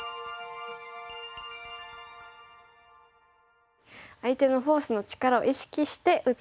相手のフォースの力を意識して打つというのが大切ですね。